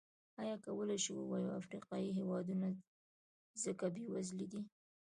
ایا کولای شو ووایو افریقايي هېوادونه ځکه بېوزله دي.